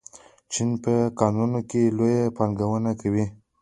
چین په کانونو کې لویه پانګونه لري.